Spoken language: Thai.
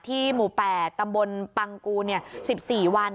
หมู่๘ตำบลปังกู๑๔วัน